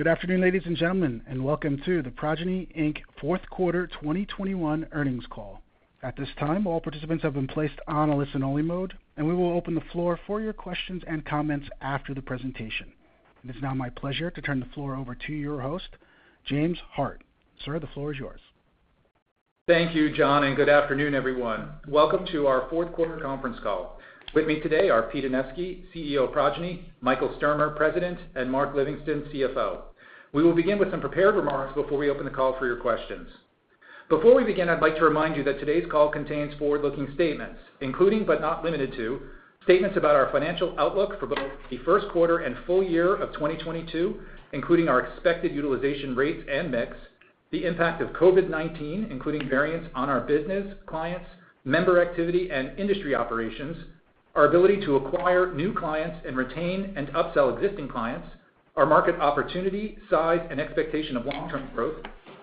Good afternoon, ladies and gentlemen, and welcome to the Progyny, Inc. Fourth Quarter 2021 Earnings Call. At this time, all participants have been placed on a listen-only mode, and we will open the floor for your questions and comments after the presentation. It's now my pleasure to turn the floor over to your host, James Hart. Sir, the floor is yours. Thank you, John, and good afternoon, everyone. Welcome to our fourth quarter conference call. With me today are Pete Anevski, CEO of Progyny, Michael Sturmer, President, and Mark Livingston, CFO. We will begin with some prepared remarks before we open the call for your questions. Before we begin, I'd like to remind you that today's call contains forward-looking statements including but not limited to statements about our financial outlook for both the first quarter and full year of 2022, including our expected utilization rates and mix, the impact of COVID-19, including variants on our business, clients, member activity, and industry operations, our ability to acquire new clients and retain and upsell existing clients, our market opportunity, size, and expectation of long-term growth,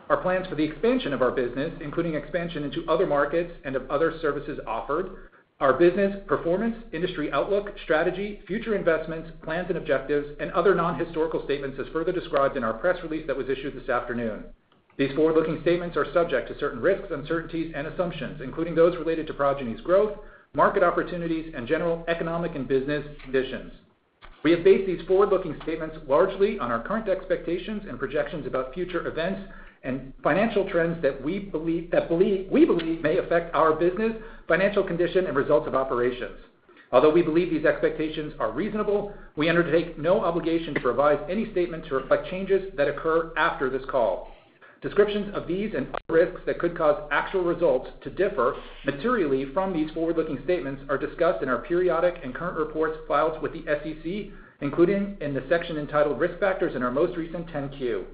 our plans for the expansion of our business, including expansion into other markets and of other services offered, our business performance, industry outlook, strategy, future investments, plans and objectives, and other non-historical statements as further described in our press release that was issued this afternoon. These forward-looking statements are subject to certain risks, uncertainties, and assumptions, including those related to Progyny's growth, market opportunities, and general economic and business conditions. We have based these forward-looking statements largely on our current expectations and projections about future events and financial trends that we believe may affect our business, financial condition, and results of operations. Although we believe these expectations are reasonable, we undertake no obligation to revise any statement to reflect changes that occur after this call. Descriptions of these and other risks that could cause actual results to differ materially from these forward-looking statements are discussed in our periodic and current reports filed with the SEC, including in the section entitled Risk Factors in our most recent 10-Q.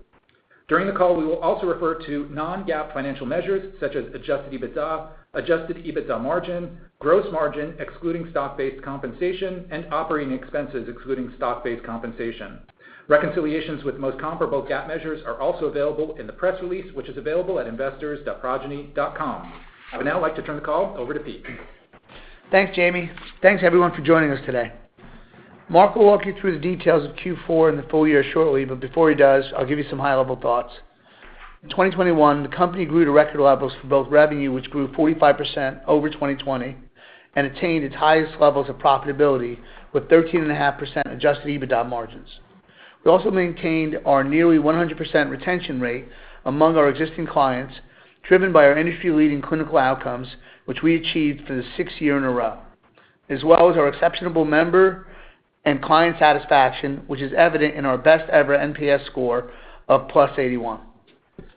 During the call, we will also refer to non-GAAP financial measures such as adjusted EBITDA, adjusted EBITDA margin, gross margin excluding stock-based compensation, and operating expenses excluding stock-based compensation. Reconciliations with most comparable GAAP measures are also available in the press release, which is available at investors.progyny.com. I would now like to turn the call over to Pete. Thanks, Jamie. Thanks, everyone for joining us today. Mark will walk you through the details of Q4 and the full year shortly, but before he does, I'll give you some high-level thoughts. In 2021, the company grew to record levels for both revenue, which grew 45% over 2020 and attained its highest levels of profitability with 13.5% adjusted EBITDA margins. We also maintained our nearly 100% retention rate among our existing clients, driven by our industry-leading clinical outcomes, which we achieved for the sixth year in a row, as well as our exceptional member and client satisfaction, which is evident in our best ever NPS score of +81.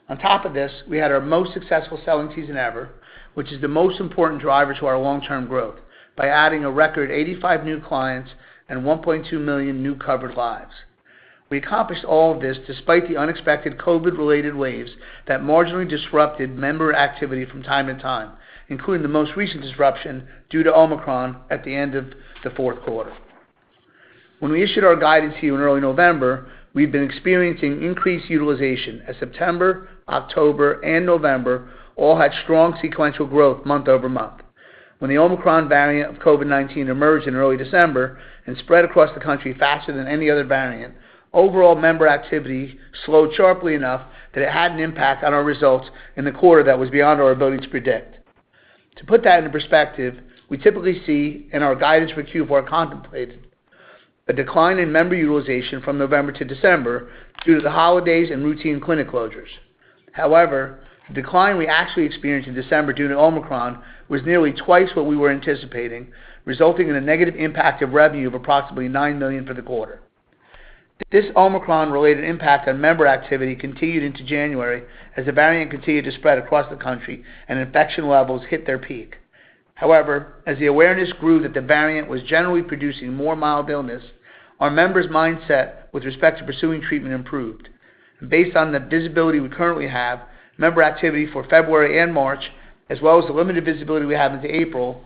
On top of this, we had our most successful selling season ever, which is the most important driver to our long-term growth by adding a record 85 new clients and 1.2 million new covered lives. We accomplished all of this despite the unexpected COVID-related waves that marginally disrupted member activity from time to time, including the most recent disruption due to Omicron at the end of the fourth quarter. When we issued our guidance to you in early November, we've been experiencing increased utilization as September, October, and November all had strong sequential growth month-over-month. When the Omicron variant of COVID-19 emerged in early December and spread across the country faster than any other variant, overall member activity slowed sharply enough that it had an impact on our results in the quarter that was beyond our ability to predict. To put that into perspective, we typically see in our guidance for Q4 contemplated a decline in member utilization from November to December due to the holidays and routine clinic closures. However, the decline we actually experienced in December due to Omicron was nearly twice what we were anticipating, resulting in a negative impact of revenue of approximately $9 million for the quarter. This Omicron-related impact on member activity continued into January as the variant continued to spread across the country and infection levels hit their peak. However, as the awareness grew that the variant was generally producing more mild illness, our members' mindset with respect to pursuing treatment improved. Based on the visibility we currently have, member activity for February and March, as well as the limited visibility we have into April,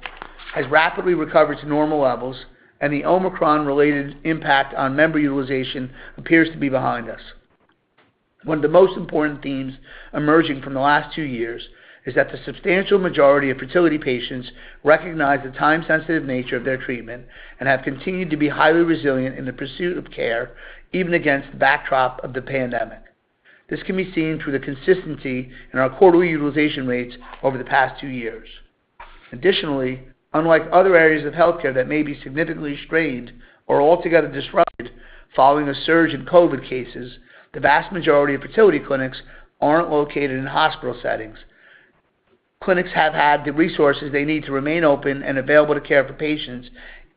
has rapidly recovered to normal levels, and the Omicron-related impact on member utilization appears to be behind us. One of the most important themes emerging from the last two years is that the substantial majority of fertility patients recognize the time-sensitive nature of their treatment and have continued to be highly resilient in the pursuit of care, even against the backdrop of the pandemic. This can be seen through the consistency in our quarterly utilization rates over the past two years. Additionally, unlike other areas of healthcare that may be significantly strained or altogether disrupted following a surge in COVID cases, the vast majority of fertility clinics aren't located in hospital settings. Clinics have had the resources they need to remain open and available to care for patients,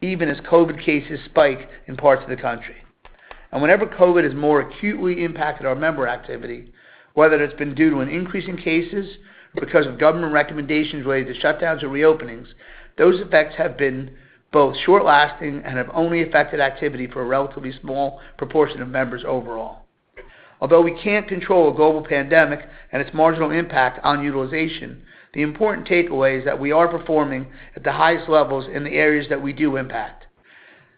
even as COVID cases spike in parts of the country. Whenever COVID has more acutely impacted our member activity, whether it's been due to an increase in cases or because of government recommendations related to shutdowns or reopenings, those effects have been both short-lasting and have only affected activity for a relatively small proportion of members overall. Although we can't control a global pandemic and its marginal impact on utilization, the important takeaway is that we are performing at the highest levels in the areas that we do impact.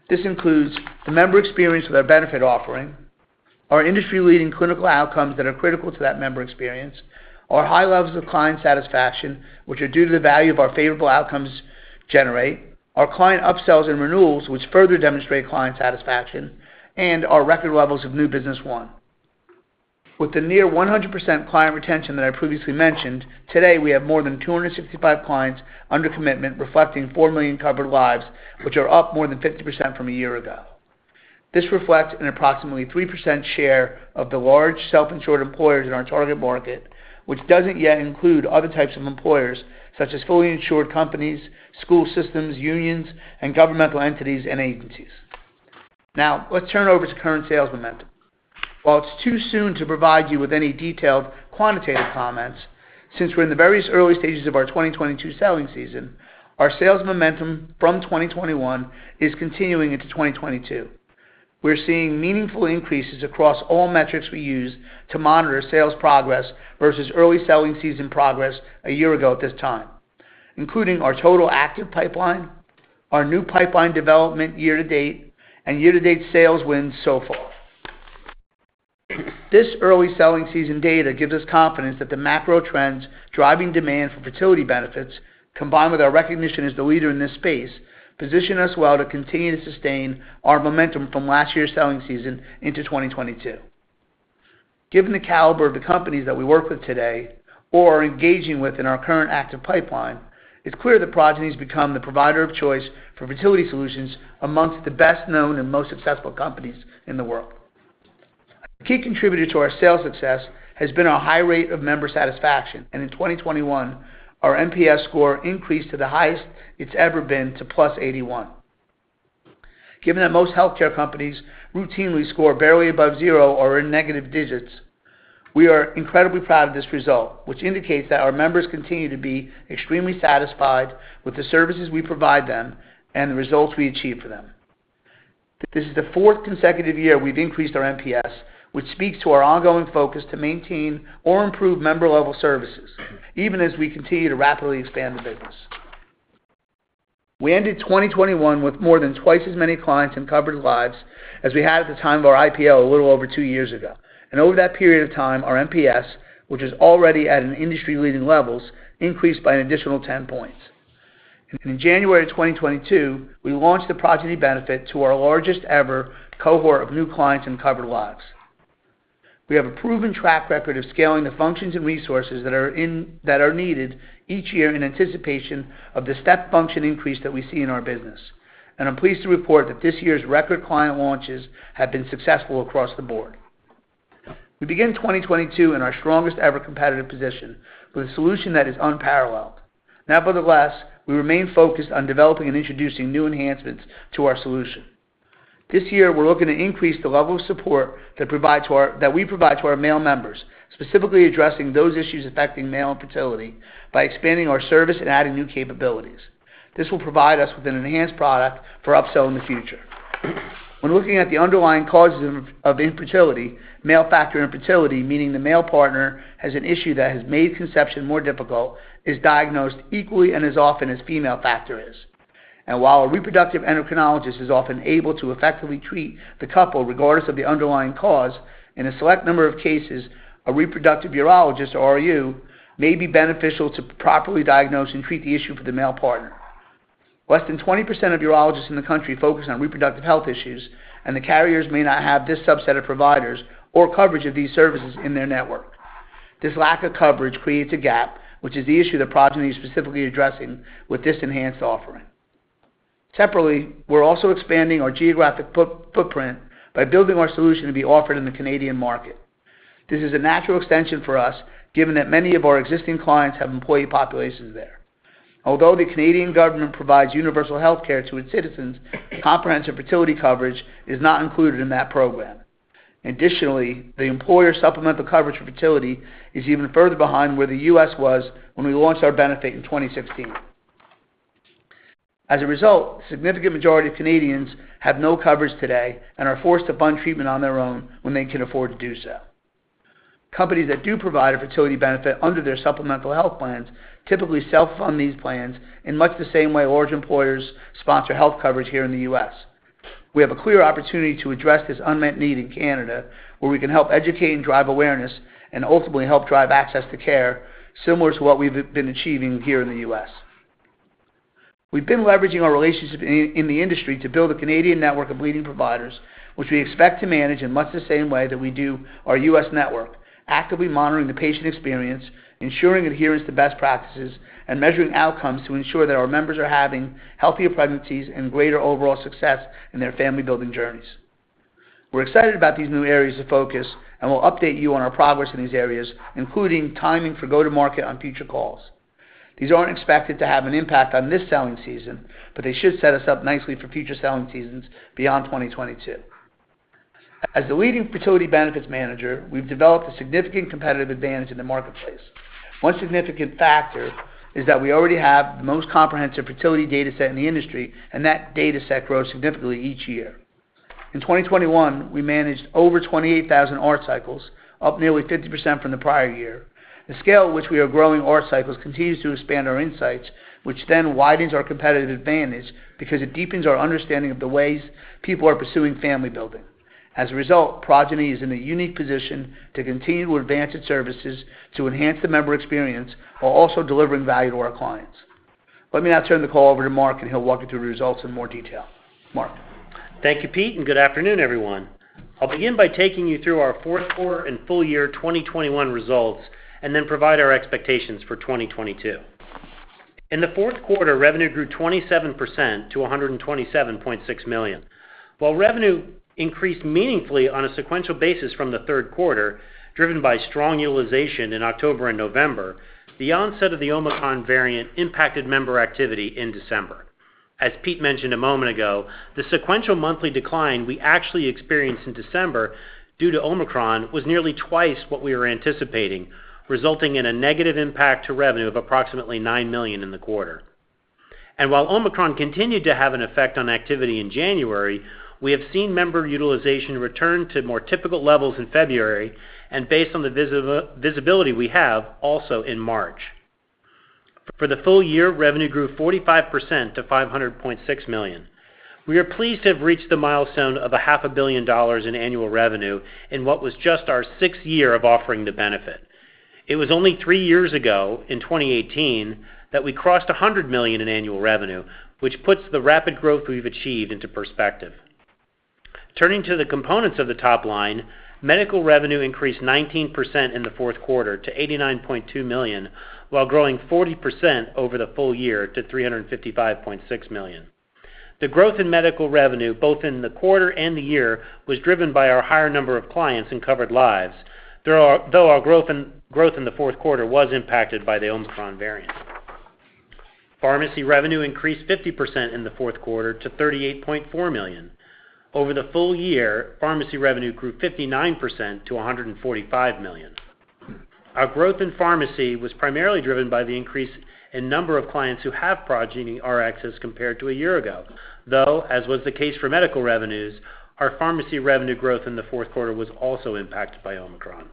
This includes the member experience with our benefit offering, our industry-leading clinical outcomes that are critical to that member experience, our high levels of client satisfaction, which are due to the value that our favorable outcomes generate, our client upsells and renewals, which further demonstrate client satisfaction, and our record levels of new business won. With the near 100% client retention that I previously mentioned, today we have more than 265 clients under commitment reflecting four million covered lives, which are up more than 50% from a year ago. This reflects an approximately 3% share of the large self-insured employers in our target market, which doesn't yet include other types of employers, such as fully insured companies, school systems, unions, and governmental entities and agencies. Now, let's turn over to current sales momentum. While it's too soon to provide you with any detailed quantitative comments, since we're in the various early stages of our 2022 selling season, our sales momentum from 2021 is continuing into 2022. We're seeing meaningful increases across all metrics we use to monitor sales progress versus early selling season progress a year ago at this time, including our total active pipeline, our new pipeline development year-to-date, and year-to-date sales wins so far. This early selling season data gives us confidence that the macro trends driving demand for fertility benefits, combined with our recognition as the leader in this space, position us well to continue to sustain our momentum from last year's selling season into 2022. Given the caliber of the companies that we work with today or are engaging with in our current active pipeline, it's clear that Progyny's become the provider of choice for fertility solutions amongst the best-known and most successful companies in the world. A key contributor to our sales success has been our high rate of member satisfaction, and in 2021, our NPS score increased to the highest it's ever been to +81. Given that most healthcare companies routinely score barely above zero or are in negative digits, we are incredibly proud of this result, which indicates that our members continue to be extremely satisfied with the services we provide them and the results we achieve for them. This is the fourth consecutive year we've increased our NPS, which speaks to our ongoing focus to maintain or improve member level services, even as we continue to rapidly expand the business. We ended 2021 with more than twice as many clients and covered lives as we had at the time of our IPO a little over two years ago. Over that period of time, our NPS, which is already at an industry-leading levels, increased by an additional 10 points. In January 2022, we launched the Progyny benefit to our largest ever cohort of new clients and covered lives. We have a proven track record of scaling the functions and resources that are needed each year in anticipation of the step function increase that we see in our business. I'm pleased to report that this year's record client launches have been successful across the board. We begin 2022 in our strongest ever competitive position with a solution that is unparalleled. Nevertheless, we remain focused on developing and introducing new enhancements to our solution. This year, we're looking to increase the level of support that we provide to our male members, specifically addressing those issues affecting male infertility by expanding our service and adding new capabilities. This will provide us with an enhanced product for upsell in the future. When looking at the underlying causes of infertility, male factor infertility, meaning the male partner has an issue that has made conception more difficult, is diagnosed equally and as often as female factor is. While a reproductive endocrinologist is often able to effectively treat the couple regardless of the underlying cause, in a select number of cases, a reproductive urologist, RU, may be beneficial to properly diagnose and treat the issue for the male partner. Less than 20% of urologists in the country focus on reproductive health issues, and the carriers may not have this subset of providers or coverage of these services in their network. This lack of coverage creates a gap, which is the issue that Progyny is specifically addressing with this enhanced offering. Separately, we're also expanding our geographic footprint by building our solution to be offered in the Canadian market. This is a natural extension for us given that many of our existing clients have employee populations there. Although the Canadian government provides universal health care to its citizens, comprehensive fertility coverage is not included in that program. Additionally, the employer supplemental coverage for fertility is even further behind where the U.S. was when we launched our benefit in 2016. As a result, significant majority of Canadians have no coverage today and are forced to fund treatment on their own when they can afford to do so. Companies that do provide a fertility benefit under their supplemental health plans typically self-fund these plans in much the same way large employers sponsor health coverage here in the U.S. We have a clear opportunity to address this unmet need in Canada, where we can help educate and drive awareness and ultimately help drive access to care similar to what we've been achieving here in the U.S. We've been leveraging our relationship in the industry to build a Canadian network of leading providers, which we expect to manage in much the same way that we do our U.S. network, actively monitoring the patient experience, ensuring adherence to best practices, and measuring outcomes to ensure that our members are having healthier pregnancies and greater overall success in their family-building journeys. We're excited about these new areas of focus, and we'll update you on our progress in these areas, including timing for go-to-market on future calls. These aren't expected to have an impact on this selling season, but they should set us up nicely for future selling seasons beyond 2022. As the leading fertility benefits manager, we've developed a significant competitive advantage in the marketplace. One significant factor is that we already have the most comprehensive fertility data set in the industry, and that data set grows significantly each year. In 2021, we managed over 28,000 ART cycles, up nearly 50% from the prior year. The scale at which we are growing ART cycles continues to expand our insights, which then widens our competitive advantage because it deepens our understanding of the ways people are pursuing family building. As a result, Progyny is in a unique position to continue to advance its services to enhance the member experience while also delivering value to our clients. Let me now turn the call over to Mark, and he'll walk you through results in more detail. Mark. Thank you, Pete, and good afternoon, everyone. I'll begin by taking you through our fourth quarter and full-year 2021 results, and then provide our expectations for 2022. In the fourth quarter, revenue grew 27% to $127.6 million. While revenue increased meaningfully on a sequential basis from the third quarter, driven by strong utilization in October and November, the onset of the Omicron variant impacted member activity in December. As Pete mentioned a moment ago, the sequential monthly decline we actually experienced in December due to Omicron was nearly twice what we were anticipating, resulting in a negative impact to revenue of approximately $9 million in the quarter. While Omicron continued to have an effect on activity in January, we have seen member utilization return to more typical levels in February, and based on the visibility we have, also in March. For the full year, revenue grew 45% to $500.6 million. We are pleased to have reached the milestone of half a billion dollars in annual revenue in what was just our sixth year of offering the benefit. It was only three years ago, in 2018, that we crossed $100 million in annual revenue, which puts the rapid growth we've achieved into perspective. Turning to the components of the top line, medical revenue increased 19% in the fourth quarter to $89.2 million, while growing 40% over the full year to $355.6 million. The growth in medical revenue, both in the quarter and the year, was driven by our higher number of clients and covered lives. Though our growth in the fourth quarter was impacted by the Omicron variant. Pharmacy revenue increased 50% in the fourth quarter to $38.4 million. Over the full year, pharmacy revenue grew 59% to $145 million. Our growth in pharmacy was primarily driven by the increase in number of clients who have Progyny Rx as compared to a year ago. Though, as was the case for medical revenues, our pharmacy revenue growth in the fourth quarter was also impacted by Omicron.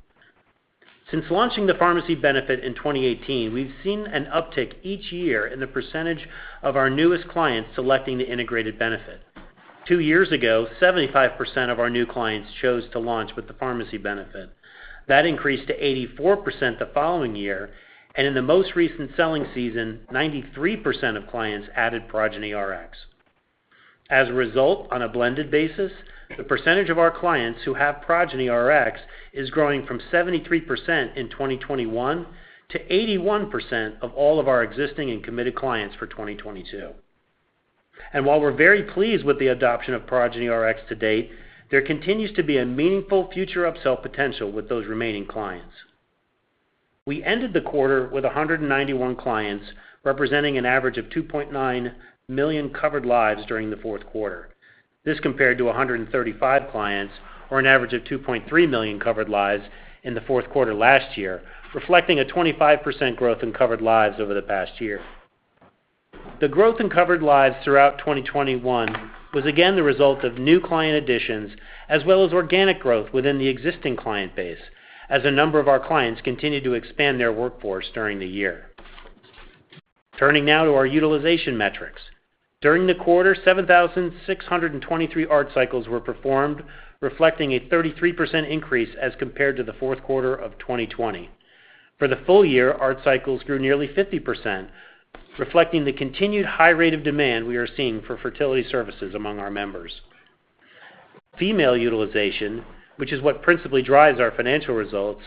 Since launching the pharmacy benefit in 2018, we've seen an uptick each year in the percentage of our newest clients selecting the integrated benefit. Two years ago, 75% of our new clients chose to launch with the pharmacy benefit. That increased to 84% the following year, and in the most recent selling season, 93% of clients added Progyny Rx. As a result, on a blended basis, the percentage of our clients who have Progyny Rx is growing from 73% in 2021 to 81% of all of our existing and committed clients for 2022. While we're very pleased with the adoption of Progyny Rx to date, there continues to be a meaningful future upsell potential with those remaining clients. We ended the quarter with 191 clients, representing an average of 2.9 million covered lives during the fourth quarter. This compared to 135 clients or an average of 2.3 million covered lives in the fourth quarter last year, reflecting a 25% growth in covered lives over the past year. The growth in covered lives throughout 2021 was again the result of new client additions as well as organic growth within the existing client base, as a number of our clients continued to expand their workforce during the year. Turning now to our utilization metrics. During the quarter, 7,623 ART cycles were performed, reflecting a 33% increase as compared to the fourth quarter of 2020. For the full year, ART cycles grew nearly 50%, reflecting the continued high rate of demand we are seeing for fertility services among our members. Female utilization, which is what principally drives our financial results,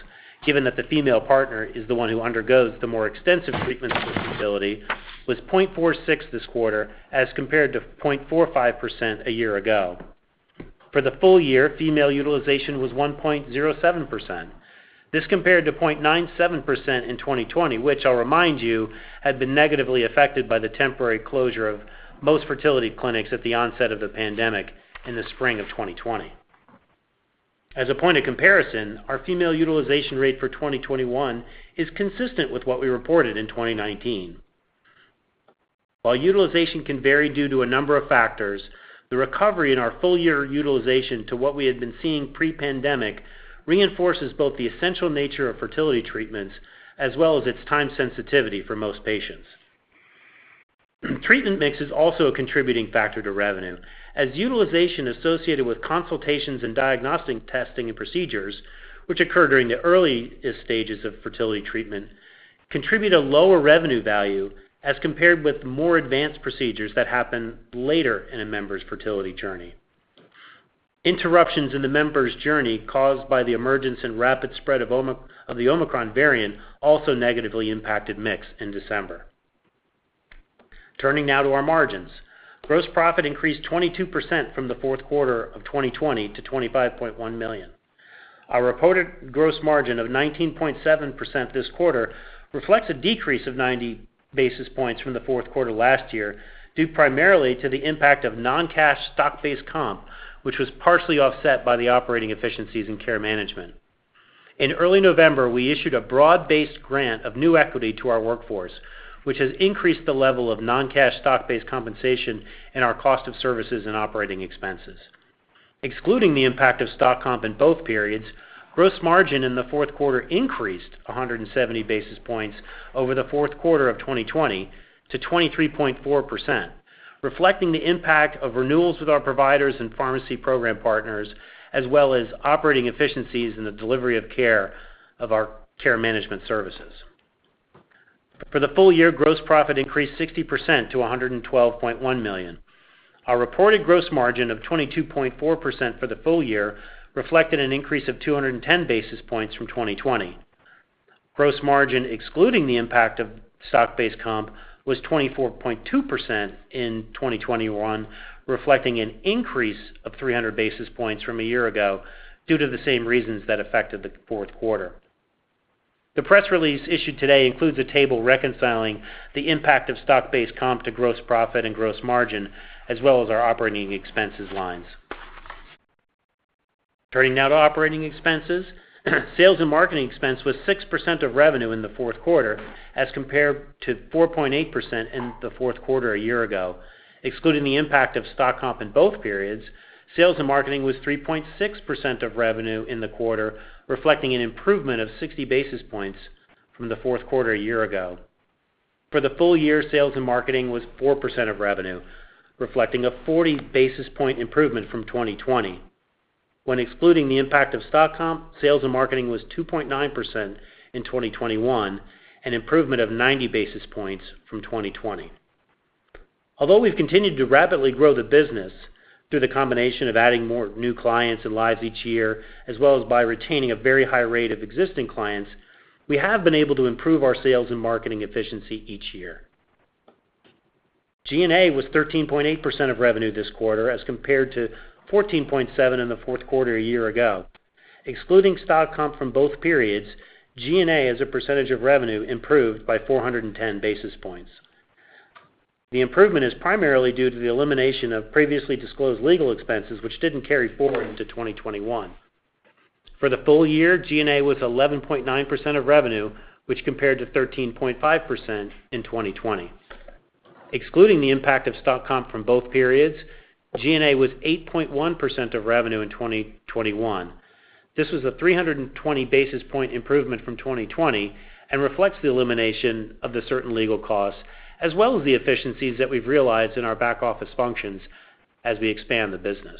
given that the female partner is the one who undergoes the more extensive treatment for fertility, was 0.46 this quarter, as compared to 0.45% a year ago. For the full year, female utilization was 1.07%. This compared to 0.97% in 2020, which I'll remind you, had been negatively affected by the temporary closure of most fertility clinics at the onset of the pandemic in the spring of 2020. As a point of comparison, our female utilization rate for 2021 is consistent with what we reported in 2019. While utilization can vary due to a number of factors, the recovery in our full year utilization to what we had been seeing pre-pandemic reinforces both the essential nature of fertility treatments as well as its time sensitivity for most patients. Treatment mix is also a contributing factor to revenue, as utilization associated with consultations and diagnostic testing and procedures, which occur during the early stages of fertility treatment, contribute a lower revenue value as compared with more advanced procedures that happen later in a member's fertility journey. Interruptions in the member's journey caused by the emergence and rapid spread of the Omicron variant also negatively impacted mix in December. Turning now to our margins. Gross profit increased 22% from the fourth quarter of 2020 to $25.1 million. Our reported gross margin of 19.7% this quarter reflects a decrease of 90 basis points from the fourth quarter last year, due primarily to the impact of non-cash stock-based comp, which was partially offset by the operating efficiencies in care management. In early November, we issued a broad-based grant of new equity to our workforce, which has increased the level of non-cash stock-based compensation in our cost of services and operating expenses. Excluding the impact of stock comp in both periods, gross margin in the fourth quarter increased 170 basis points over the fourth quarter of 2020 to 23.4%, reflecting the impact of renewals with our providers and pharmacy program partners, as well as operating efficiencies in the delivery of care of our care management services. For the full year, gross profit increased 60% to $112.1 million. Our reported gross margin of 22.4% for the full year reflected an increase of 210 basis points from 2020. Gross margin, excluding the impact of stock-based comp, was 24.2% in 2021, reflecting an increase of 300 basis points from a year ago due to the same reasons that affected the fourth quarter. The press release issued today includes a table reconciling the impact of stock-based comp to gross profit and gross margin, as well as our operating expenses lines. Turning now to operating expenses. Sales and marketing expense was 6% of revenue in the fourth quarter as compared to 4.8% in the fourth quarter a year ago. Excluding the impact of stock comp in both periods, sales and marketing was 3.6% of revenue in the quarter, reflecting an improvement of 60 basis points from the fourth quarter a year ago. For the full year, sales and marketing was 4% of revenue, reflecting a 40 basis point improvement from 2020. When excluding the impact of stock comp, sales and marketing was 2.9% in 2021, an improvement of 90 basis points from 2020. Although we've continued to rapidly grow the business through the combination of adding more new clients and lives each year, as well as by retaining a very high rate of existing clients, we have been able to improve our sales and marketing efficiency each year. G&A was 13.8% of revenue this quarter as compared to 14.7% in the fourth quarter a year ago. Excluding stock comp from both periods, G&A as a percentage of revenue improved by 410 basis points. The improvement is primarily due to the elimination of previously disclosed legal expenses which didn't carry forward into 2021. For the full year, G&A was 11.9% of revenue, which compared to 13.5% in 2020. Excluding the impact of stock comp from both periods, G&A was 8.1% of revenue in 2021. This was a 320 basis point improvement from 2020 and reflects the elimination of the certain legal costs as well as the efficiencies that we've realized in our back-office functions as we expand the business.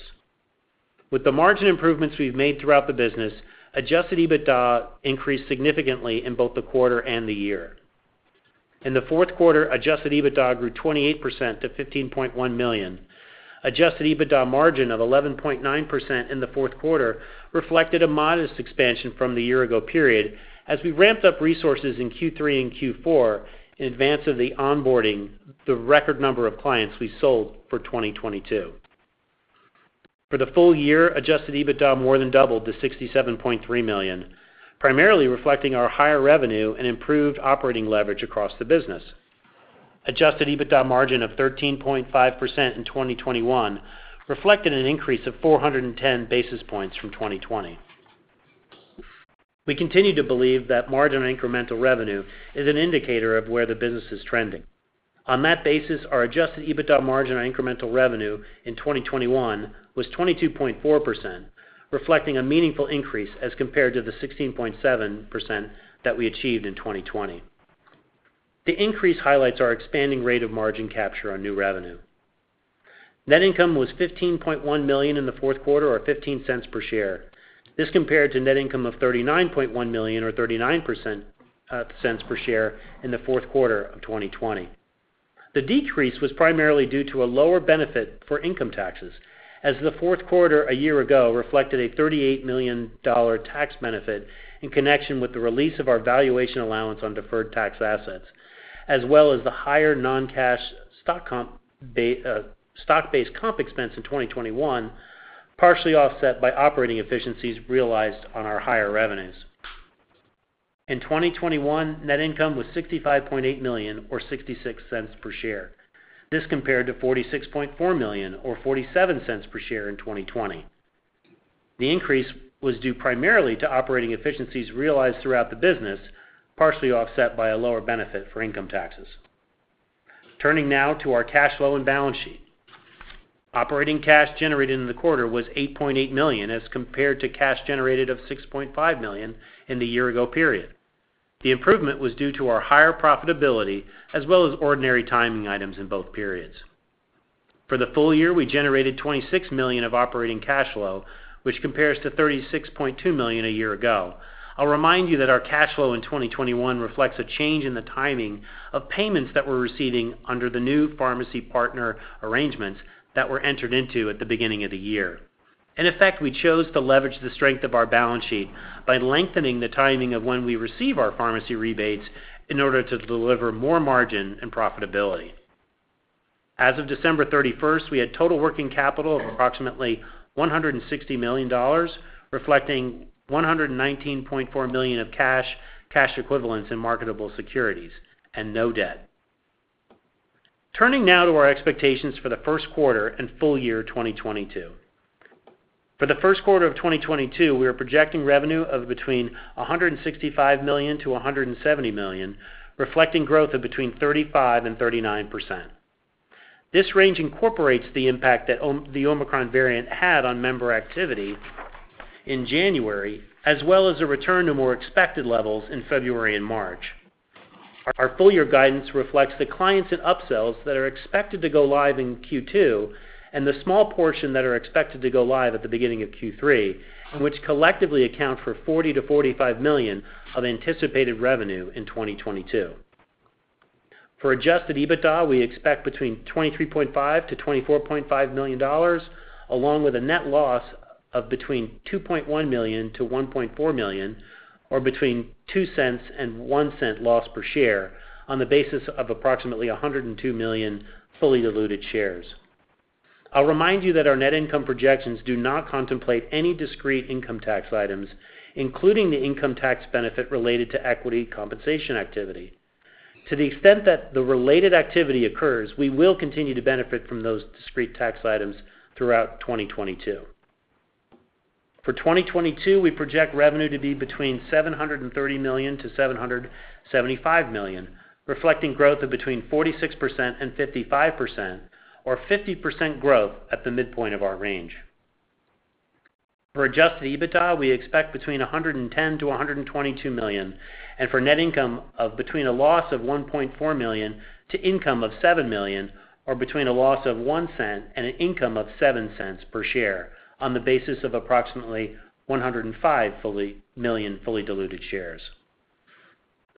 With the margin improvements we've made throughout the business, adjusted EBITDA increased significantly in both the quarter and the year. In the fourth quarter, adjusted EBITDA grew 28% to $15.1 million. Adjusted EBITDA margin of 11.9% in the fourth quarter reflected a modest expansion from the year ago period as we ramped up resources in Q3 and Q4 in advance of the onboarding the record number of clients we sold for 2022. For the full year, adjusted EBITDA more than doubled to $67.3 million, primarily reflecting our higher revenue and improved operating leverage across the business. Adjusted EBITDA margin of 13.5% in 2021 reflected an increase of 410 basis points from 2020. We continue to believe that margin on incremental revenue is an indicator of where the business is trending. On that basis, our adjusted EBITDA margin on incremental revenue in 2021 was 22.4%, reflecting a meaningful increase as compared to the 16.7% that we achieved in 2020. The increase highlights our expanding rate of margin capture on new revenue. Net income was $15.1 million in the fourth quarter, or $0.15 per share. This compared to net income of $39.1 million or $0.39 per share in the fourth quarter of 2020. The decrease was primarily due to a lower benefit for income taxes as the fourth quarter a year ago reflected a $38 million tax benefit in connection with the release of our valuation allowance on deferred tax assets, as well as the higher non-cash stock-based comp expense in 2021, partially offset by operating efficiencies realized on our higher revenues. In 2021, net income was $65.8 million or $0.66 per share. This compared to $46.4 million or $0.47 per share in 2020. The increase was due primarily to operating efficiencies realized throughout the business, partially offset by a lower benefit for income taxes. Turning now to our cash flow and balance sheet. Operating cash generated in the quarter was $8.8 million, as compared to cash generated of $6.5 million in the year ago period. The improvement was due to our higher profitability as well as ordinary timing items in both periods. For the full year, we generated $26 million of operating cash flow, which compares to $36.2 million a year ago. I'll remind you that our cash flow in 2021 reflects a change in the timing of payments that we're receiving under the new pharmacy partner arrangements that were entered into at the beginning of the year. In effect, we chose to leverage the strength of our balance sheet by lengthening the timing of when we receive our pharmacy rebates in order to deliver more margin and profitability. As of December 31st, we had total working capital of approximately $160 million, reflecting $119.4 million of cash equivalents and marketable securities, and no debt. Turning now to our expectations for the first quarter and full year 2022. For the first quarter of 2022, we are projecting revenue of between $165 million and $170 million, reflecting growth of between 35% and 39%. This range incorporates the impact that the Omicron variant had on member activity in January, as well as a return to more expected levels in February and March. Our full-year guidance reflects the clients and upsells that are expected to go live in Q2 and the small portion that are expected to go live at the beginning of Q3, and which collectively account for $40 million-$45 million of anticipated revenue in 2022. For adjusted EBITDA, we expect between $23.5 million-$24.5 million, along with a net loss of between $2.1 million-$1.4 million, or between $0.02 and $0.01 loss per share on the basis of approximately 102 million fully diluted shares. I'll remind you that our net income projections do not contemplate any discrete income tax items, including the income tax benefit related to equity compensation activity. To the extent that the related activity occurs, we will continue to benefit from those discrete tax items throughout 2022. For 2022, we project revenue to be between $730 million-$775 million, reflecting growth of between 46%-55% or 50% growth at the midpoint of our range. For adjusted EBITDA, we expect between $110 million-$122 million, and for net income of between a loss of $1.4 million to income of $7 million, or between a loss of $0.01 and an income of $0.07 per share on the basis of approximately 105 million fully diluted shares.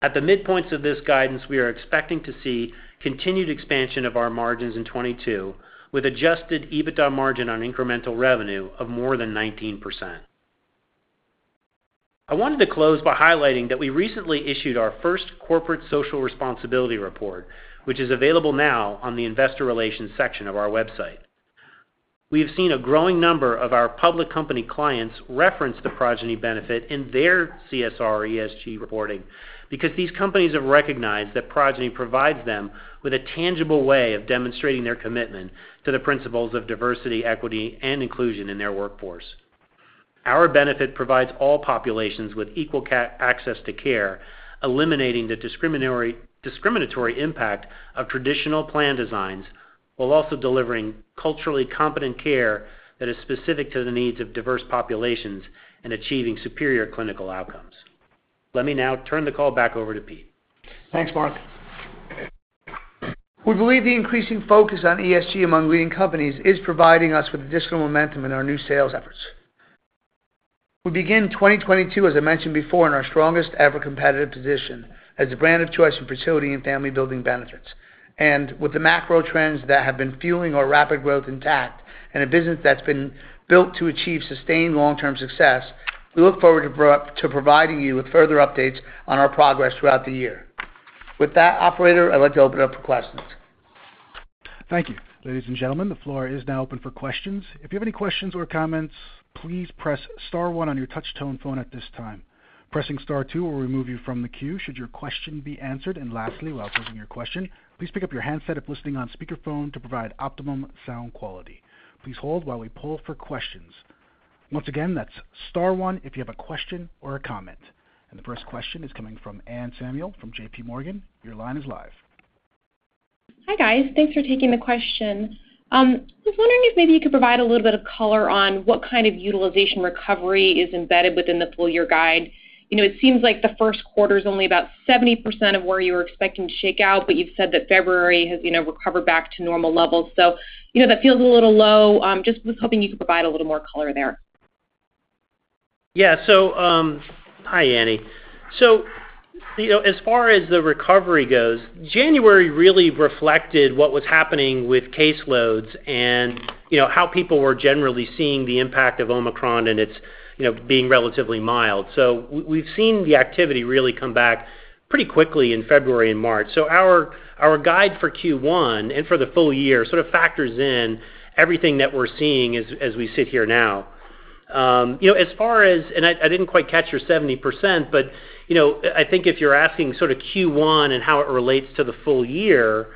At the midpoints of this guidance, we are expecting to see continued expansion of our margins in 2022, with adjusted EBITDA margin on incremental revenue of more than 19%. I wanted to close by highlighting that we recently issued our first corporate social responsibility report, which is available now on the investor relations section of our website. We have seen a growing number of our public company clients reference the Progyny benefit in their CSR ESG reporting because these companies have recognized that Progyny provides them with a tangible way of demonstrating their commitment to the principles of diversity, equity, and inclusion in their workforce. Our benefit provides all populations with equal access to care, eliminating the discriminatory impact of traditional plan designs, while also delivering culturally competent care that is specific to the needs of diverse populations and achieving superior clinical outcomes. Let me now turn the call back over to Pete. Thanks, Mark. We believe the increasing focus on ESG among leading companies is providing us with additional momentum in our new sales efforts. We begin 2022, as I mentioned before, in our strongest-ever competitive position as a brand of choice in fertility and family-building benefits. With the macro trends that have been fueling our rapid growth intact and a business that's been built to achieve sustained long-term success, we look forward to providing you with further updates on our progress throughout the year. With that, operator, I'd like to open up for questions. Thank you. Ladies and gentlemen, the floor is now open for questions. If you have any questions or comments, please press star one on your touch-tone phone at this time. Pressing star two will remove you from the queue should your question be answered. And lastly, while posing your question, please pick up your handset if listening on speakerphone to provide optimum sound quality. Please hold while we poll for questions. Once again, that's star one if you have a question or a comment. The first question is coming from Anne Samuel from JPMorgan. Your line is live. Hi, guys. Thanks for taking the question. Just wondering if maybe you could provide a little bit of color on what kind of utilization recovery is embedded within the full-year guide? You know, it seems like the first quarter is only about 70% of where you were expecting to shake out, but you've said that February has, you know, recovered back to normal levels. You know, that feels a little low. Just was hoping you could provide a little more color there. Yeah. Hi, Anne. You know, as far as the recovery goes, January really reflected what was happening with case loads and, you know, how people were generally seeing the impact of Omicron and its, you know, being relatively mild. We've seen the activity really come back pretty quickly in February and March. Our guide for Q1 and for the full year sort of factors in everything that we're seeing as we sit here now. You know, as far as... I didn't quite catch your 70%, but, you know, I think if you're asking sort of Q1 and how it relates to the full year,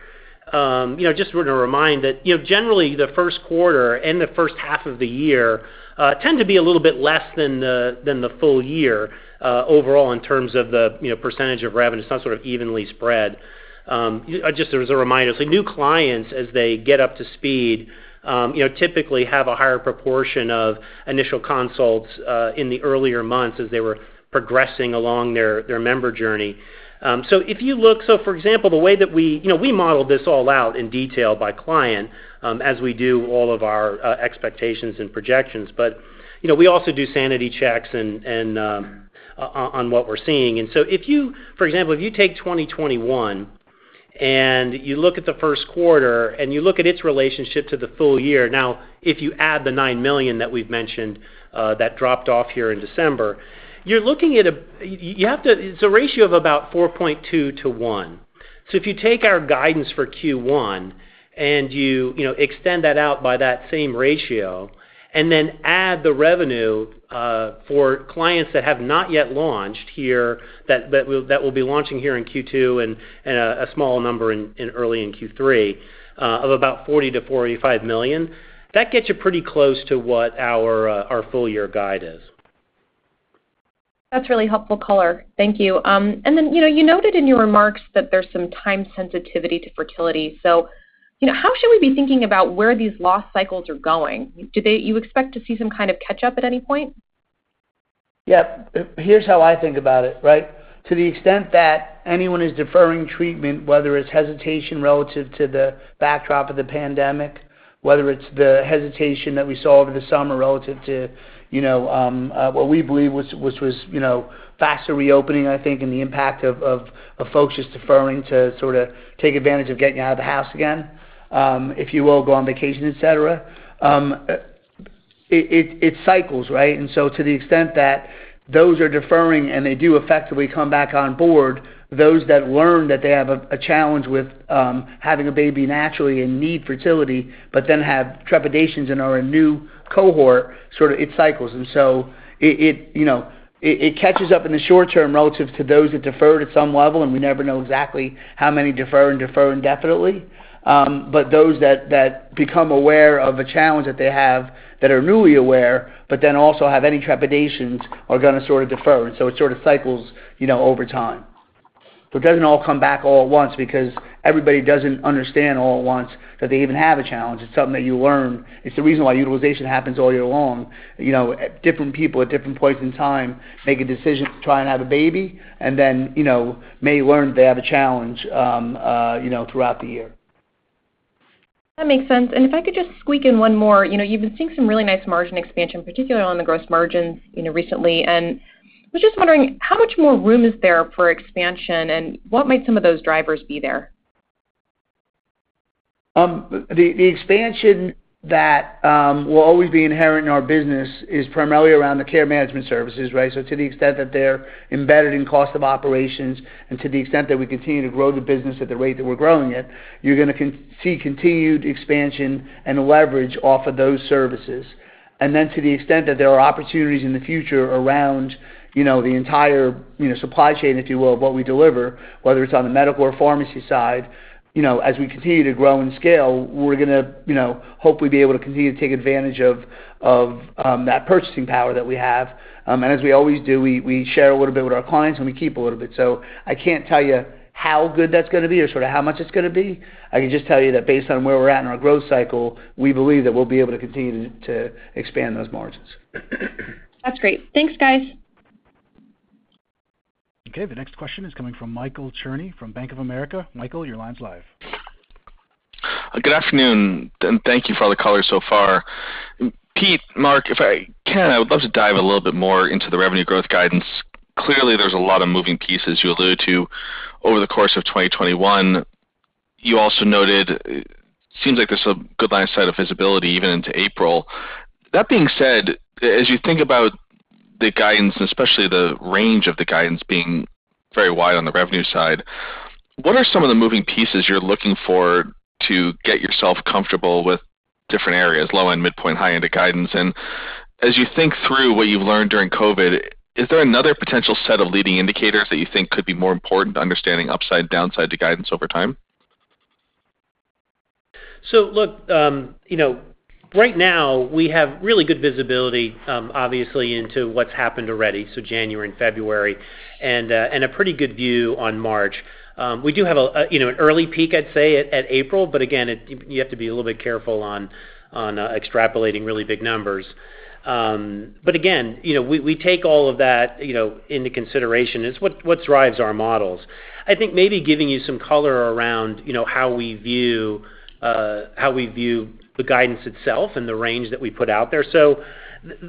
you know, just wanted to remind that, you know, generally, the first quarter and the first half of the year tend to be a little bit less than the full year overall in terms of the, you know, percentage of revenue. It's not sort of evenly spread. Just as a reminder. New clients, as they get up to speed, you know, typically have a higher proportion of initial consults in the earlier months as they were progressing along their member journey. So for example, the way that we... You know, we model this all out in detail by client, as we do all of our expectations and projections. You know, we also do sanity checks and on what we're seeing. If you, for example, take 2021 and you look at the first quarter and you look at its relationship to the full year, if you add the $9 million that we've mentioned, that dropped off here in December, you're looking at—you have to. It's a ratio of about 4.2 to one. If you take our guidance for Q1 and you know, extend that out by that same ratio and then add the revenue for clients that have not yet launched here, that will be launching here in Q2 and a small number in early Q3 of about $40 million-$45 million, that gets you pretty close to what our full-year guide is. That's really helpful color. Thank you. You know, you noted in your remarks that there's some time sensitivity to fertility. You know, how should we be thinking about where these lost cycles are going? You expect to see some kind of catch up at any point? Yeah. Here's how I think about it, right? To the extent that anyone is deferring treatment, whether it's hesitation relative to the backdrop of the pandemic, whether it's the hesitation that we saw over the summer relative to, you know, what we believe was faster reopening, I think, and the impact of folks just deferring to sort of take advantage of getting out of the house again, if you will, go on vacation, et cetera. It cycles, right? To the extent that those are deferring and they do effectively come back on board, those that learn that they have a challenge with having a baby naturally and need fertility, but then have trepidations and are a new cohort, sort of it cycles. You know, it catches up in the short term relative to those that deferred at some level, and we never know exactly how many defer and defer indefinitely. Those that become aware of a challenge that they have that are newly aware, but then also have any trepidations are gonna sort of defer. It sort of cycles, you know, over time. It doesn't all come back all at once because everybody doesn't understand all at once that they even have a challenge. It's something that you learn. It's the reason why utilization happens all year long. You know, different people at different points in time make a decision to try and have a baby and then, you know, may learn they have a challenge, you know, throughout the year. That makes sense. If I could just squeak in one more. You know, you've been seeing some really nice margin expansion, particularly on the gross margins, you know, recently. I was just wondering how much more room is there for expansion, and what might some of those drivers be there? The expansion that will always be inherent in our business is primarily around the care management services, right? So to the extent that they're embedded in cost of operations and to the extent that we continue to grow the business at the rate that we're growing it, you're gonna see continued expansion and leverage off of those services. To the extent that there are opportunities in the future around, you know, the entire, you know, supply chain, if you will, of what we deliver, whether it's on the medical or pharmacy side, you know, as we continue to grow and scale, we're gonna, you know, hopefully be able to continue to take advantage of that purchasing power that we have. As we always do, we share a little bit with our clients, and we keep a little bit. I can't tell you how good that's gonna be or sort of how much it's gonna be. I can just tell you that based on where we're at in our growth cycle, we believe that we'll be able to continue to expand those margins. That's great. Thanks, guys. Okay. The next question is coming from Michael Cherny from Bank of America. Michael, your line's live. Good afternoon, and thank you for all the color so far. Pete, Mark, if I can, I would love to dive a little bit more into the revenue growth guidance. Clearly, there's a lot of moving pieces you alluded to over the course of 2021. You also noted, seems like there's a good line of sight of visibility even into April. That being said, as you think about the guidance, especially the range of the guidance being very wide on the revenue side, what are some of the moving pieces you're looking for to get yourself comfortable with different areas, low-end, midpoint, high-end of guidance? As you think through what you've learned during COVID, is there another potential set of leading indicators that you think could be more important to understanding upside, downside to guidance over time? Look, you know, right now, we have really good visibility, obviously into what's happened already, so January and February, and a pretty good view on March. We do have an early peak, you know, I'd say at April, but again, you have to be a little bit careful on extrapolating really big numbers. Again, you know, we take all of that, you know, into consideration. It's what drives our models. I think maybe giving you some color around, you know, how we view the guidance itself and the range that we put out there.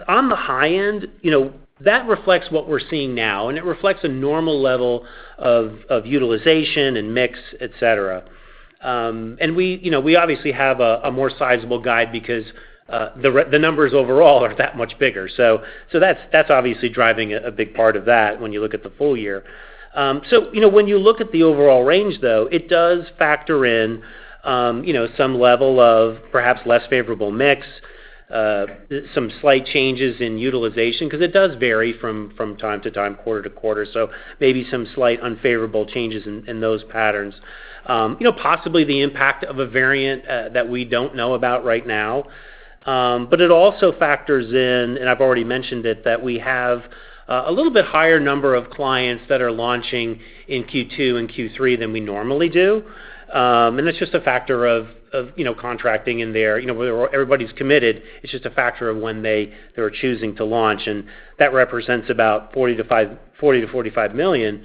On the high end, you know, that reflects what we're seeing now, and it reflects a normal level of utilization and mix, et cetera. We, you know, we obviously have a more sizable guide because the numbers overall are that much bigger. That's obviously driving a big part of that when you look at the full year. You know, when you look at the overall range, though, it does factor in, you know, some level of perhaps less favorable mix, some slight changes in utilization, because it does vary from time to time, quarter-to-quarter. Maybe some slight unfavorable changes in those patterns. You know, possibly the impact of a variant that we don't know about right now. It also factors in, and I've already mentioned it, that we have a little bit higher number of clients that are launching in Q2 and Q3 than we normally do. That's just a factor of you know, contracting in there. You know, where everybody's committed, it's just a factor of when they are choosing to launch, and that represents about $40 million-$45 million.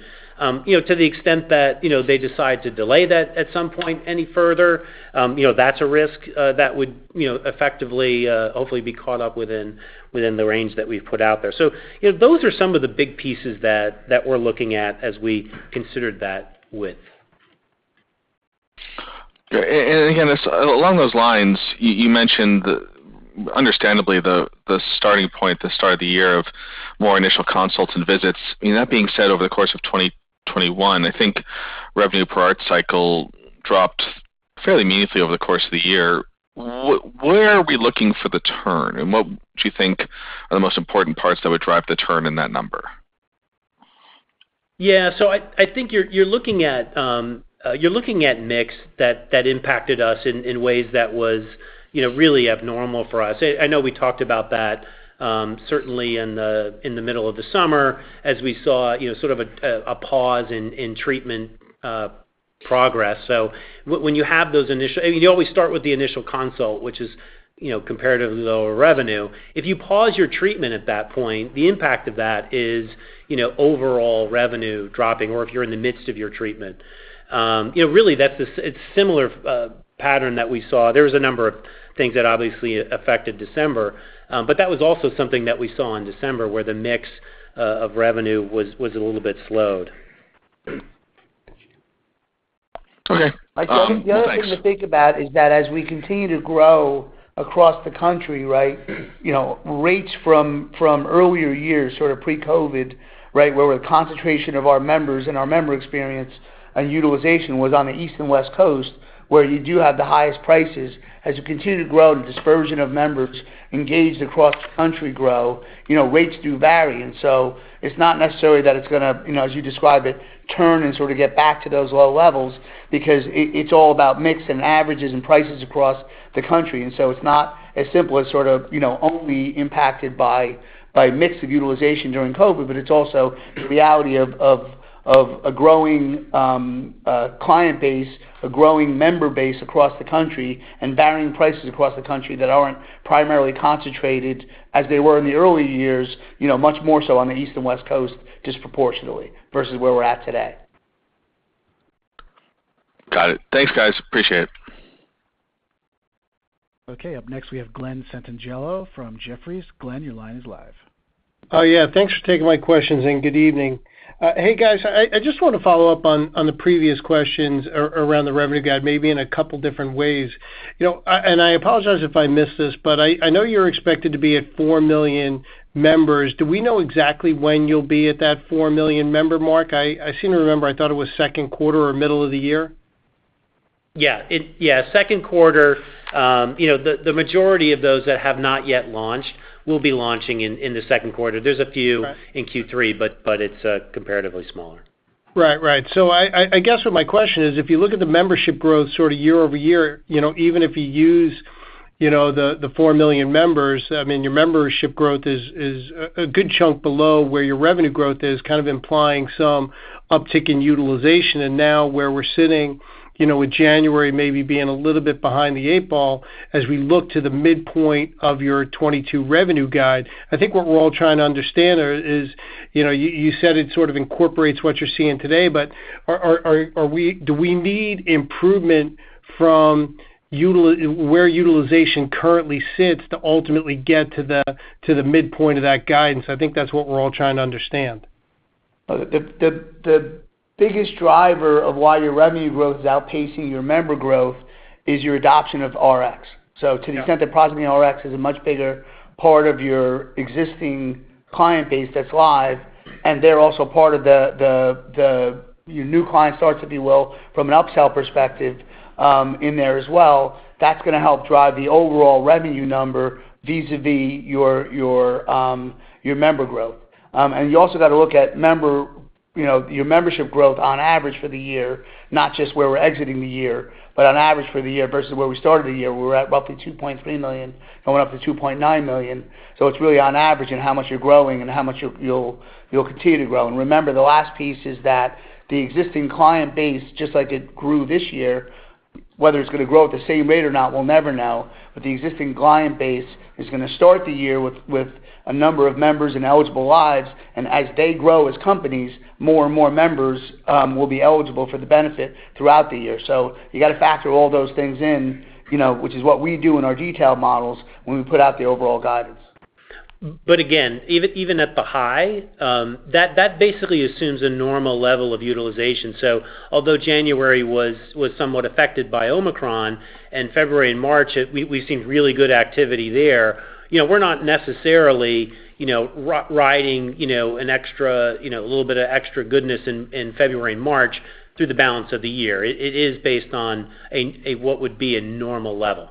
You know, to the extent that you know, they decide to delay that at some point any further, you know, that's a risk that would you know, effectively, hopefully be caught up within the range that we've put out there. You know, those are some of the big pieces that we're looking at as we considered that width. Along those lines, you mentioned the, understandably the starting point, the start of the year of more initial consults and visits. You know, that being said, over the course of 2021, I think revenue per ART cycle dropped fairly meaningfully over the course of the year. Where are we looking for the turn, and what do you think are the most important parts that would drive the turn in that number? Yeah. I think you're looking at mix that impacted us in ways that was, you know, really abnormal for us. I know we talked about that certainly in the middle of the summer as we saw, you know, sort of a pause in treatment progress. When you have those initial consult, which is, you know, comparatively lower revenue. If you pause your treatment at that point, the impact of that is, you know, overall revenue dropping or if you're in the midst of your treatment. You know, really that's the same pattern that we saw. There was a number of things that obviously affected December, but that was also something that we saw in December, where the mix of revenue was a little bit slowed. Okay. Thanks. I think the other thing to think about is that as we continue to grow across the country, right? You know, rates from earlier years sort of pre-COVID, right, where the concentration of our members and our member experience and utilization was on the East and West Coast, where you do have the highest prices. As you continue to grow, the dispersion of members engaged across the country grow, you know, rates do vary. It's not necessarily that it's gonna, you know, as you described it, turn and sort of get back to those low levels because it's all about mix and averages and prices across the country. It's not as simple as sort of, you know, only impacted by mix of utilization during COVID, but it's also the reality of a growing client base, a growing member base across the country, and varying prices across the country that aren't primarily concentrated as they were in the early years, you know, much more so on the East Coast and West Coast disproportionately versus where we're at today. Got it. Thanks, guys. Appreciate it. Okay. Up next, we have Glen Santangelo from Jefferies. Glenn, your line is live. Oh, yeah, thanks for taking my questions and good evening. Hey, guys, I just wanna follow up on the previous questions around the revenue guide, maybe in a couple different ways. You know, and I apologize if I missed this, but I know you're expected to be at 4 million members. Do we know exactly when you'll be at that 4 million member mark? I seem to remember, I thought it was second quarter or middle of the year. Yeah. Second quarter, you know, the majority of those that have not yet launched will be launching in the second quarter. Got it. There's a few in Q3, it's comparatively smaller. Right. I guess what my question is, if you look at the membership growth sort of year-over-year, you know, even if you use, you know, the 4 million members, I mean, your membership growth is a good chunk below where your revenue growth is, kind of implying some uptick in utilization. Now where we're sitting, you know, with January maybe being a little bit behind the eight ball as we look to the midpoint of your 2022 revenue guide, I think what we're all trying to understand there is, you know, you said it sort of incorporates what you're seeing today, but do we need improvement from where utilization currently sits to ultimately get to the midpoint of that guidance? I think that's what we're all trying to understand. The biggest driver of why your revenue growth is outpacing your member growth is your adoption of Rx. To the extent that Progyny Rx is a much bigger part of your existing client base that's live, and they're also part of the new client starts, if you will, from an upsell perspective, in there as well, that's gonna help drive the overall revenue number vis-a-vis your member growth. You also gotta look at member, you know, your membership growth on average for the year, not just where we're exiting the year, but on average for the year versus where we started the year. We were at roughly 2.3 million and went up to 2.9 million. It's really on average and how much you're growing and how much you'll continue to grow. Remember, the last piece is that the existing client base, just like it grew this year, whether it's gonna grow at the same rate or not, we'll never know, but the existing client base is gonna start the year with a number of members and eligible lives, and as they grow as companies, more and more members will be eligible for the benefit throughout the year. You gotta factor all those things in, you know, which is what we do in our detailed models when we put out the overall guidance. Again, even at the high, that basically assumes a normal level of utilization. Although January was somewhat affected by Omicron and February and March, we've seen really good activity there, you know, we're not necessarily, you know, riding, you know, an extra, you know, a little bit of extra goodness in February and March through the balance of the year. It is based on a what would be a normal level.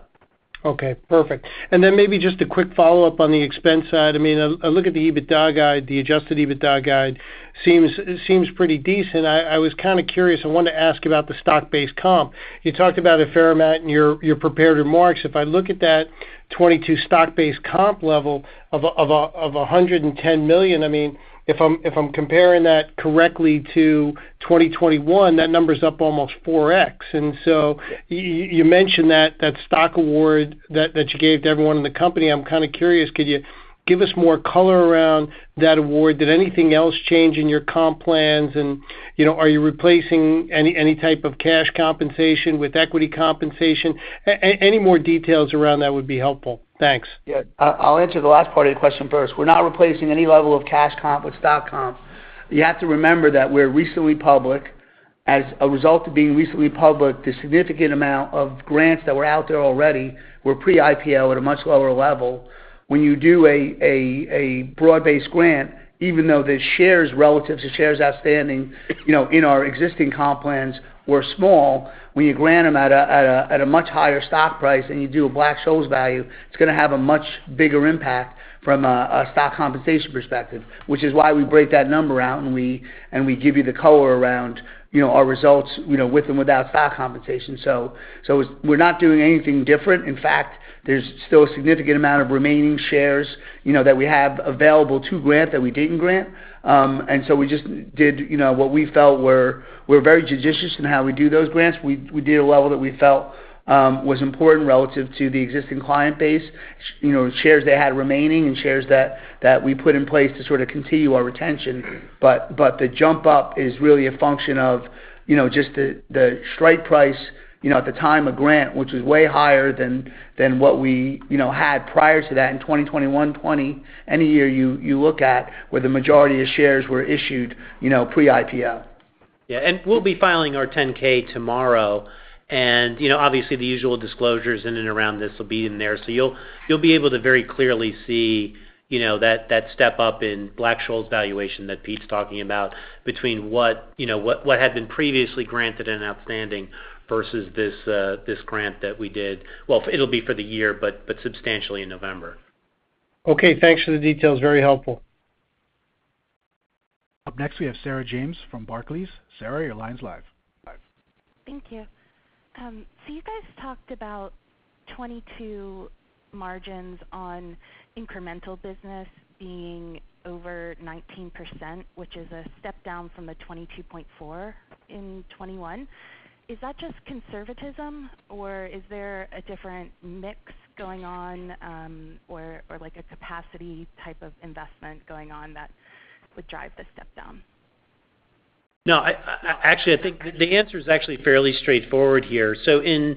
Okay, perfect. Maybe just a quick follow-up on the expense side. I mean, I look at the EBITDA guide, the adjusted EBITDA guide. It seems pretty decent. I was kinda curious. I wanted to ask about the stock-based comp. You talked about it a fair amount in your prepared remarks. If I look at that 2022 stock-based comp level of $110 million, I mean, if I'm comparing that correctly to 2021, that number's up almost 4x. You mentioned that stock award that you gave to everyone in the company. I'm kinda curious. Could you give us more color around that award? Did anything else change in your comp plans? You know, are you replacing any type of cash compensation with equity compensation? Any more details around that would be helpful. Thanks. Yeah. I'll answer the last part of your question first. We're not replacing any level of cash comp with stock comp. You have to remember that we're recently public. As a result of being recently public, the significant amount of grants that were out there already were pre-IPO at a much lower level. When you do a broad-based grant, even though the shares relative to shares outstanding, you know, in our existing comp plans were small, when you grant them at a much higher stock price and you do a Black-Scholes value, it's gonna have a much bigger impact from a stock compensation perspective, which is why we break that number out and we give you the color around, you know, our results, you know, with and without stock compensation. It's. We're not doing anything different. In fact, there's still a significant amount of remaining shares, you know, that we have available to grant that we didn't grant. We just did, you know, what we felt were very judicious in how we do those grants. We did a level that we felt was important relative to the existing client base, you know, shares they had remaining and shares that we put in place to sort of continue our retention. But the jump up is really a function of, you know, just the strike price, you know, at the time of grant, which was way higher than what we, you know, had prior to that in 2020, 2021, any year you look at where the majority of shares were issued, you know, pre-IPO. Yeah. We'll be filing our 10-K tomorrow. You know, obviously, the usual disclosures in and around this will be in there. You'll be able to very clearly see, you know, that step-up in Black-Scholes valuation that Pete's talking about between what, you know, what had been previously granted and outstanding versus this grant that we did. Well, it'll be for the year, but substantially in November. Okay, thanks for the details. Very helpful. Up next, we have Sarah James from Barclays. Sarah, your line's live. Thank you. You guys talked about 2022 margins on incremental business being over 19%, which is a step down from the 22.4% in 2021. Is that just conservatism, or is there a different mix going on, or like a capacity type of investment going on that would drive the step down? No, I actually think the answer is actually fairly straightforward here. In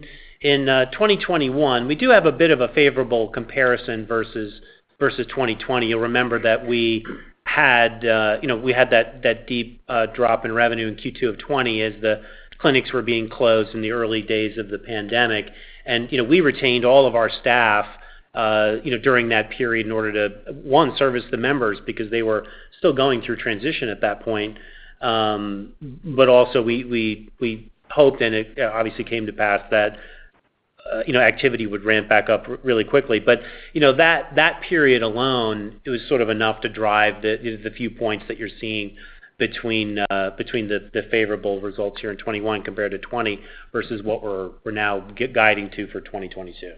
2021, we do have a bit of a favorable comparison versus 2020. You'll remember that we had that deep drop in revenue in Q2 of 2020 as the clinics were being closed in the early days of the pandemic. We retained all of our staff during that period in order to, one, service the members because they were still going through transition at that point. But also we hoped, and it obviously came to pass that activity would ramp back up really quickly. You know, that period alone, it was sort of enough to drive the few points that you're seeing between the favorable results here in 2021 compared to 2020 versus what we're now guiding to for 2022.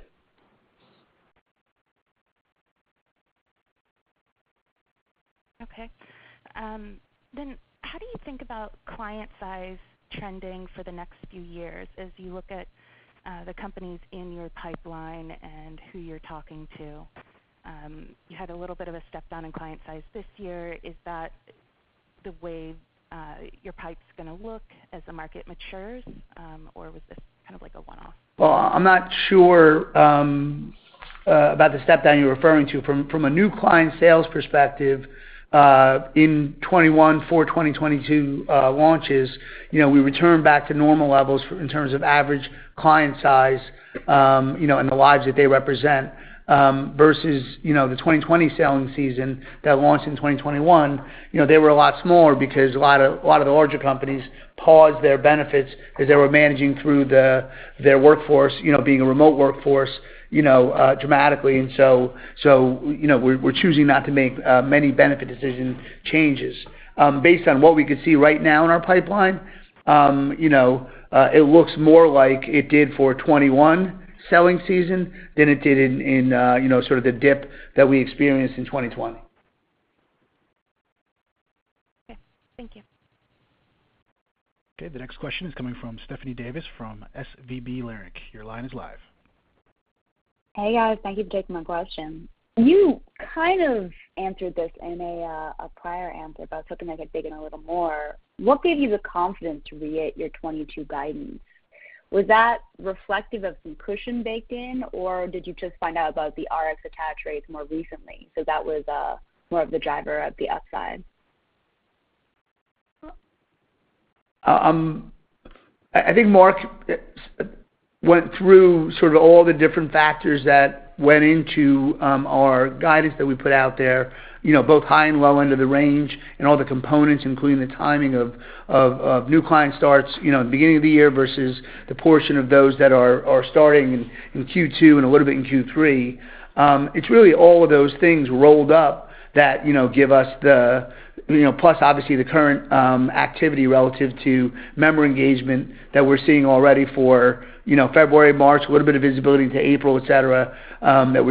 Okay. How do you think about client size trending for the next few years as you look at the companies in your pipeline and who you're talking to? You had a little bit of a step down in client size this year. Is that the way your pipe's gonna look as the market matures, or was this kind of like a one-off? Well, I'm not sure about the step down you're referring to. From a new client sales perspective, in 2021 for 2022 launches, you know, we returned back to normal levels in terms of average client size, you know, and the lives that they represent, versus, you know, the 2020 selling season that launched in 2021, you know, they were a lot smaller because a lot of the larger companies paused their benefits as they were managing through their workforce, you know, being a remote workforce, you know, dramatically. We're choosing not to make many benefit decision changes. Based on what we could see right now in our pipeline, you know, it looks more like it did for 2021 selling season than it did in, you know, sort of the dip that we experienced in 2020. Okay, thank you. Okay. The next question is coming from Stephanie Davis from SVB Leerink. Your line is live. Hey, guys. Thank you for taking my question. You kind of answered this in a prior answer, but I was hoping I could dig in a little more. What gave you the confidence to re-hit your 2022 guidance? Was that reflective of some cushion baked-in, or did you just find out about the Rx attach rates more recently, so that was more of the driver of the upside? I think Mark went through sort of all the different factors that went into our guidance that we put out there, you know, both high and low end of the range and all the components, including the timing of new client starts, you know, at the beginning of the year versus the portion of those that are starting in Q2 and a little bit in Q3. It's really all of those things rolled up that, you know, give us the, you know, plus obviously the current activity relative to member engagement that we're seeing already for February, March, a little bit of visibility into April, et cetera, that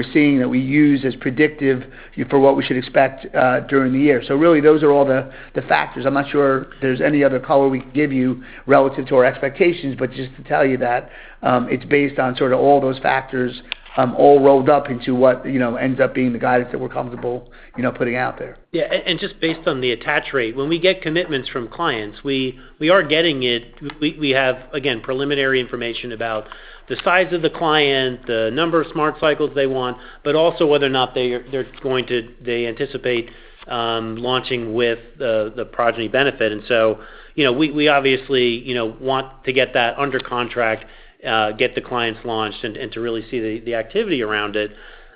we use as predictive for what we should expect during the year. Really, those are all the factors. I'm not sure if there's any other color we can give you relative to our expectations, but just to tell you that it's based on sort of all those factors, all rolled up into what you know ends up being the guidance that we're comfortable you know putting out there. Yeah. Just based on the attach rate, when we get commitments from clients, we are getting it. We have, again, preliminary information about the size of the client, the number of Smart Cycle they want, but also whether or not they anticipate launching with the Progyny benefit. You know, we obviously, you know, want to get that under contract, get the clients launched and to really see the activity around it.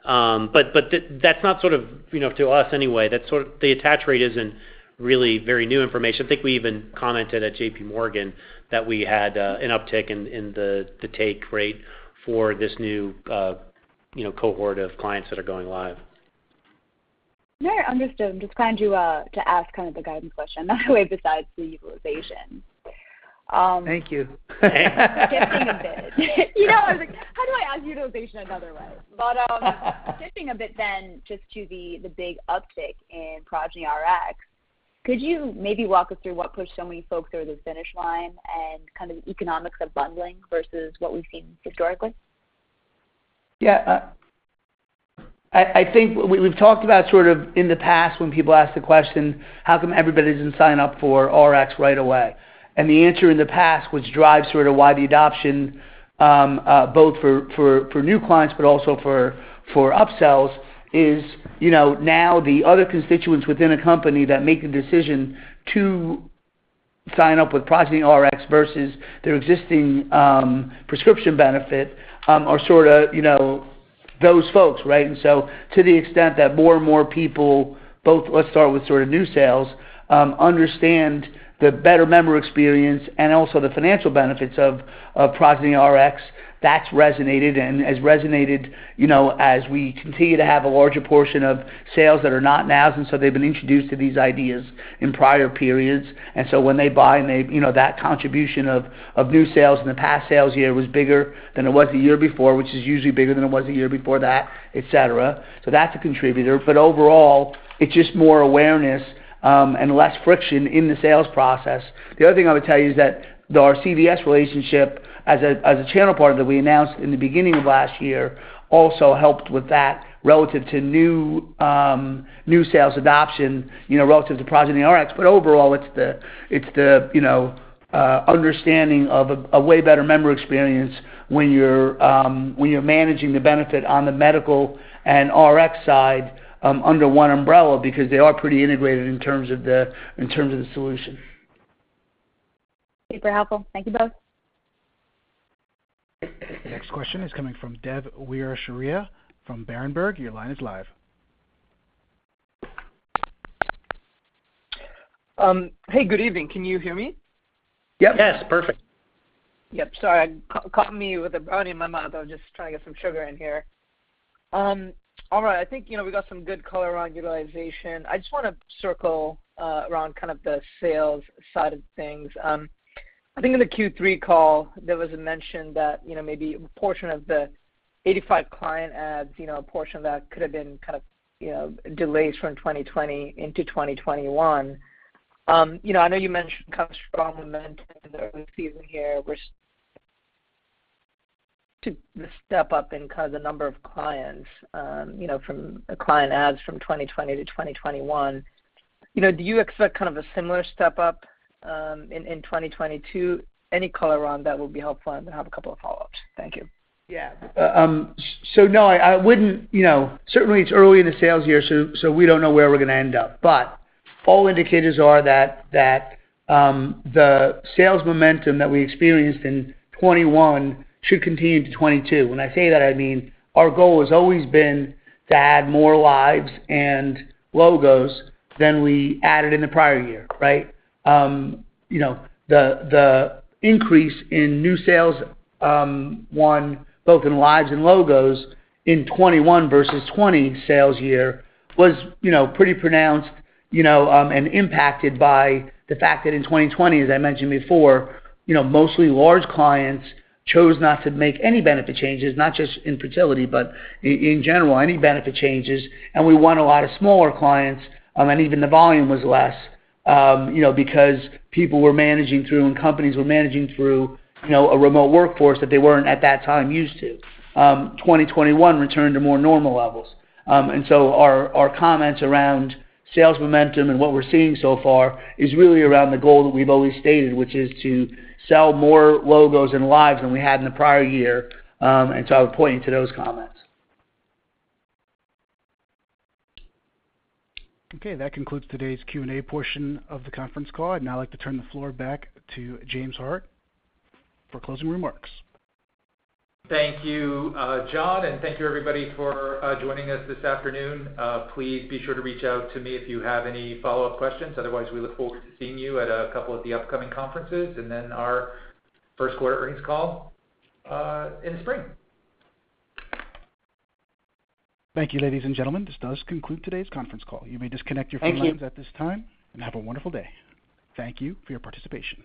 That's not sort of, you know, to us anyway, that's sort of the attach rate isn't really very new information. I think we even commented at JPMorgan that we had an uptick in the take rate for this new cohort of clients that are going live. No, I understood. I'm just trying to ask kind of the guidance question another way besides the utilization. Thank you. Shifting a bit. You know, I was like, how do I ask utilization another way? Shifting a bit then just to the big uptick in Progyny Rx. Could you maybe walk us through what pushed so many folks through the finish line and kind of the economics of bundling versus what we've seen historically? Yeah. I think we've talked about sort of in the past when people ask the question, how come everybody didn't sign up for Rx right away? The answer in the past, which drives sort of why the adoption both for new clients, but also for upsells is, you know, now the other constituents within a company that make the decision to sign up with Progyny Rx versus their existing prescription benefit are sort of, you know, those folks, right? To the extent that more and more people, both let's start with sort of new sales, understand the better member experience and also the financial benefits of Progyny Rx, that's resonated and has resonated, you know, as we continue to have a larger portion of sales that are not new, and so they've been introduced to these ideas in prior periods. When they buy and they, you know, that contribution of new sales in the past sales year was bigger than it was the year before, which is usually bigger than it was the year before that, et cetera. That's a contributor. Overall, it's just more awareness, and less friction in the sales process. The other thing I would tell you is that our CVS relationship as a channel partner that we announced in the beginning of last year also helped with that relative to new sales adoption, you know, relative to Progyny Rx. But overall, it's the understanding of a way better member experience when you're managing the benefit on the medical and Rx side under one umbrella, because they are pretty integrated in terms of the solution. Super helpful. Thank you both. The next question is coming from Dev Weerasuriya from Berenberg. Your line is live. Hey, good evening. Can you hear me? Yep. Yes. Perfect. Yep, sorry. Caught me with a brownie in my mouth. I was just trying to get some sugar in here. All right. I think, you know, we got some good color around utilization. I just wanna circle around kind of the sales side of things. I think in the Q3 call, there was a mention that, you know, maybe a portion of the 85 client adds, you know, a portion of that could have been kind of, you know, delays from 2020 into 2021. You know, I know you mentioned kind of strong momentum in the early season here with the step up in kind of the number of clients, you know, from client adds from 2020 to 2021. You know, do you expect kind of a similar step up in 2022? Any color around that will be helpful, and I have a couple of follow-ups. Thank you. Yeah. No, I wouldn't, you know. Certainly it's early in the sales year, so we don't know where we're gonna end up. All indicators are that the sales momentum that we experienced in 2021 should continue into 2022. When I say that, I mean, our goal has always been to add more lives and logos than we added in the prior year, right? You know, the increase in new sales, both in lives and logos in 2021 versus 2020 sales year was, you know, pretty pronounced, you know, and impacted by the fact that in 2020, as I mentioned before, you know, mostly large clients chose not to make any benefit changes, not just in fertility, but in general, any benefit changes. We won a lot of smaller clients, and even the volume was less, you know, because people were managing through and companies were managing through, you know, a remote workforce that they weren't at that time used to. 2021 returned to more normal levels. Our comments around sales momentum and what we're seeing so far is really around the goal that we've always stated, which is to sell more logos and lives than we had in the prior year. I would point you to those comments. Okay. That concludes today's Q&A portion of the conference call. I'd now like to turn the floor back to James Hart for closing remarks. Thank you, John, and thank you everybody for joining us this afternoon. Please be sure to reach out to me if you have any follow-up questions. Otherwise, we look forward to seeing you at a couple of the upcoming conferences and then our first quarter earnings call in the spring. Thank you, ladies and gentlemen. This does conclude today's conference call. You may disconnect your phone lines at this time. Thank you. Have a wonderful day. Thank you for your participation.